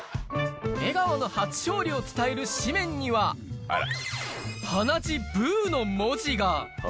江川の初勝利を伝える紙面には、鼻血ブーの文字が。